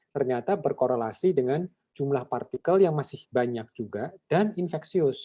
ternyata berkorelasi dengan jumlah partikel yang masih banyak juga dan infeksius